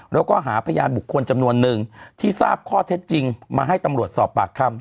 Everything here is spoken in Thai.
แล้วก็หาพยานบุคคลจำนวนนึงที่ทราบข้อเท็จจริงมาให้ตำรวจสอบปากคำ